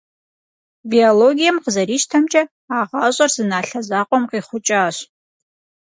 Биологием къызэрищтэмкӀэ, а гъащӀэр зы налъэ закъуэм къихъукӀащ.